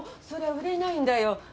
それは売れないんだよ。